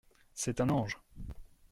C’est un ange !